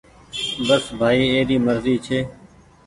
بس ڀآئي اي ري مرزي ڇي۔